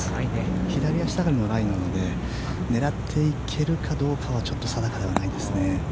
左足下がりのライなので狙っていけるかどうかはちょっと定かではないです。